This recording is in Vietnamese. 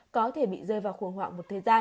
có thể bị rơi vào khủng hoảng một thời gian